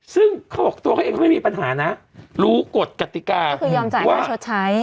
ซึ่งเขาบอกตัวเขาเองเขาไม่มีปัญหานะรู้กฎกติกาก็คือยอมจ่ายว่าชดใช้